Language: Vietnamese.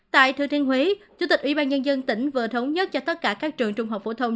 tại thừa thiên huế chủ tịch ủy ban nhân dân tỉnh vừa thống nhất cho tất cả các trường trung học phổ thông